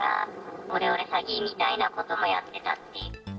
オレオレ詐欺みたいなこともやってたって。